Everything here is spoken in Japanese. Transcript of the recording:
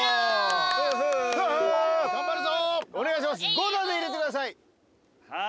５打で入れてください。